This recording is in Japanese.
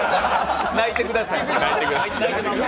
泣いてください。